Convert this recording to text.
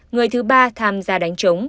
người thứ ba tham gia đánh trống